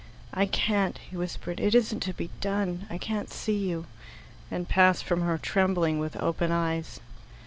"I can't," he whispered. "It isn't to be done. I can't see you," and passed from her trembling with open eyes.